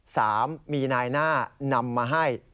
สามมีนายหน้านำมาให้